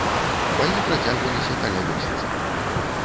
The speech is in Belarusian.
Баі працягваліся каля месяца.